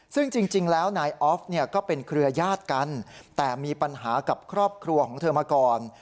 ซึ่งจริงแล้วนายออฟเนี่ยก็เป็นเครือญาติกันแต่มีปัญหากับครอบครัวของเธอมาก่อน